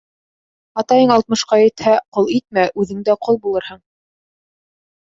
Атайың алтмышҡа етһә, ҡол итмә, үҙең дә ҡол булырһың.